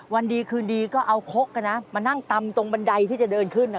วันดีคืนดีก็เอาคกมานั่งตำตรงบันไดที่จะเดินขึ้น